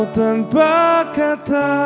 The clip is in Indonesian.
walau tanpa kata